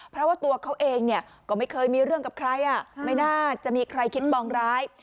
เพราะว่าตัวเขาเองก็ไม่เคยมีเรื่องกับใครไม่น่าจะมีใครคิดปองร้าย